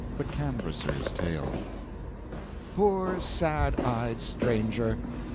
THE CANVASSER'S TALE Poor, sad eyed stranger!